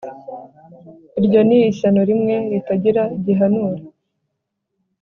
Iryo ni ishyano rimwe ritagira gihanura